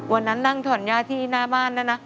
วันนั้นนั่งถอนย่าที่หน้าบ้านแล้วนะ